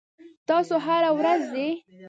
تاسو هره ورځ ځئ؟